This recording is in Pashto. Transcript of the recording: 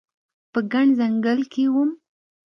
په ګڼ ځنګل کې وم